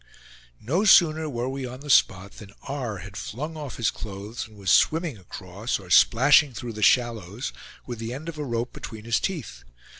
No sooner were we on the spot than R. had flung off his clothes, and was swimming across, or splashing through the shallows, with the end of a rope between his teeth.